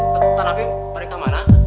bentar tapi mereka mana